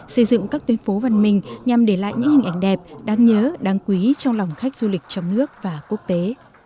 xây dựng các tuyến phố văn minh nhằm để lại những hình ảnh đẹp đáng nhớ đáng quý trong lòng khách du lịch trong nước và quốc tế